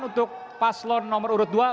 untuk paslon nomor urut dua